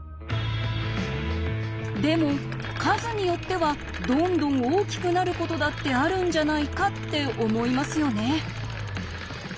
でも数によってはどんどん大きくなることだってあるんじゃないかって思いますよね。